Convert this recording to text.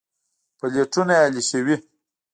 پلېټونه يې الېشوي.